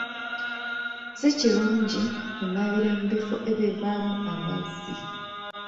Si kirungi kunaabira mu bifo ebivaamu amazzi.